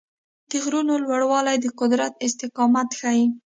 د غرونو لوړوالی د قدرت استقامت ښيي.